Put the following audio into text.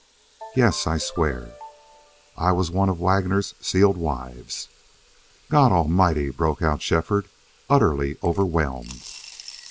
"Yes, I swear." "I was one of Waggoner's sealed wives!" "God Almighty!" broke out Shefford, utterly overwhelmed.